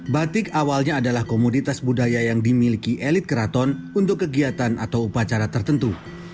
batik awalnya adalah komoditas budaya yang dimiliki elit keraton untuk kegiatan atau upacara tertentu